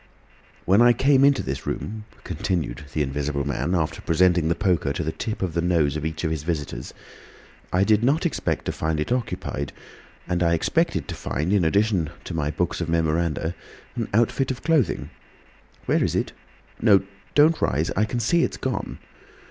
"When I came into this room," continued the Invisible Man, after presenting the poker to the tip of the nose of each of his visitors, "I did not expect to find it occupied, and I expected to find, in addition to my books of memoranda, an outfit of clothing. Where is it? No—don't rise. I can see it's gone.